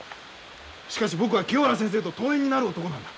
しかし僕は清原先生と遠縁になる男なんだ。